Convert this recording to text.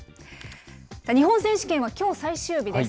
日本選手権は、きょう最終日です。